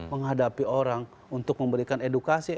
menghadapi orang untuk memberikan edukasi